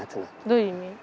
どういう意味？